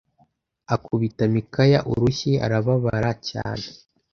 akubita Mikaya urushyi arababara cyane